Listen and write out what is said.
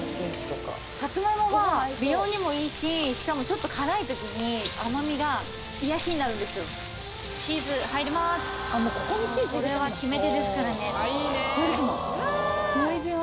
さつまいもは美容にもいいししかもちょっと辛い時に甘みが癒やしになるんですこれですもん！